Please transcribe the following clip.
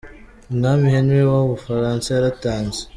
Umwami Henry wa w’ubufaransa yaratanze.